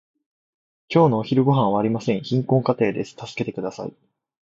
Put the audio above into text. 今日のお昼ごはんはありません。貧困家庭です。助けてください。